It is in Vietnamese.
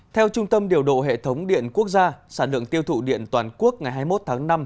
theo trung tâm điều độ hệ thống điện quốc gia sản lượng tiêu thụ điện toàn quốc ngày hai mươi một tháng năm